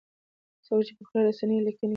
څوک په خواله رسنیو لیکنې کوي؟